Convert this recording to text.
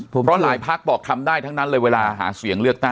เพราะหลายพักบอกทำได้ทั้งนั้นเลยเวลาหาเสียงเลือกตั้ง